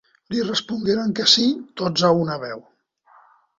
Li respongueren que sí tots a una veu.